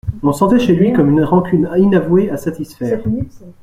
On sentait chez lui comme une rancune inavouée à satisfaire.